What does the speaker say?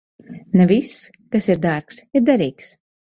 Ne viss, kas ir dārgs, ir derīgs.